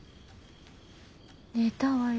寝たわよ。